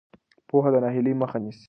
پوهه د ناهیلۍ مخه نیسي.